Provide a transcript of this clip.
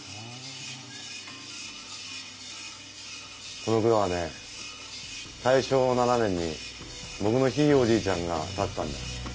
この蔵はね大正７年に僕のひいおじいちゃんが建てたんだよ。